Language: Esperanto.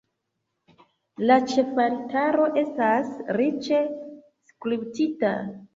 La ĉefaltaro estas riĉe skulptita.